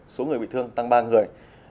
số người bị thương tăng ba người